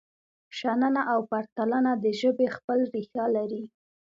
شننه او پرتلنه د ژبې خپل ریښه لري.